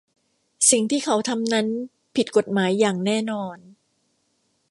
สิ่งที่เขาทำนั้นผิดกฎหมายอย่างแน่นอน